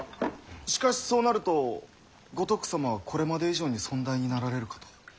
しかしそうなると五徳様はこれまで以上に尊大になられるかと。